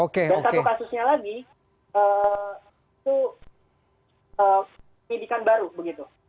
dan satu kasusnya lagi itu pendidikan baru begitu